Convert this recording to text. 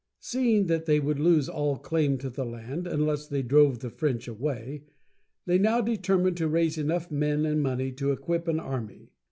Seeing that they would lose all claim to the land unless they drove the French away, they now determined to raise enough men and money to equip an army.